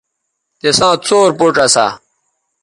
تِساں څور پوڇ اسا